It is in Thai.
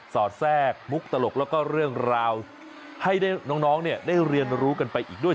อดแทรกมุกตลกแล้วก็เรื่องราวให้ได้น้องได้เรียนรู้กันไปอีกด้วย